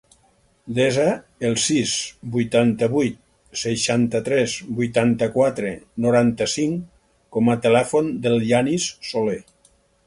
Desa el sis, vuitanta-vuit, seixanta-tres, vuitanta-quatre, noranta-cinc com a telèfon del Yanis Sole.